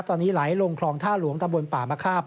ตอนนี้ไหลลงคลองท่าหลวงตำบลป่ามะคาบ